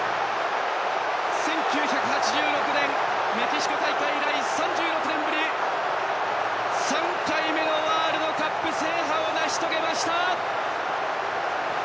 １９８６年、メキシコ大会以来３６年ぶり３回目のワールドカップ制覇を成し遂げました！